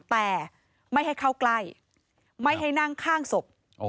แต่ไม่ให้เข้าใกล้ไม่ให้นั่งข้างศพ